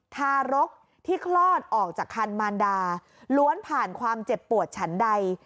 ทารกที่คลอดออกจากคันมารดาล้วนผ่านความเจ็บปวดฉันใด